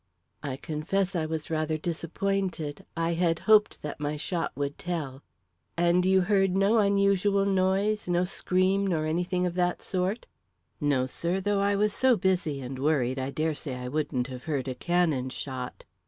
I confess I was rather disappointed; I had hoped that my shot would tell. "And you heard no unusual noise no scream, nor anything of that sort." "No, sir; though I was so busy and worried I dare say I wouldn't have heard a cannon shot."